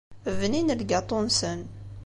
Bnin lgaṭu-nsen.